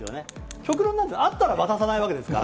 極論なんですけど、あったら渡さないわけですから。